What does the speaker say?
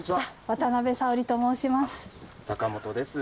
渡辺早織と申します。